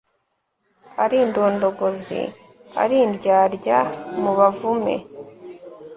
ari indondogozi, ari n'indyarya, mubavume